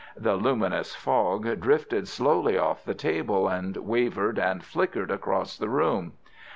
The luminous fog drifted slowly off the table, and wavered and flickered across the room.